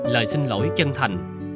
lời xin lỗi chân thành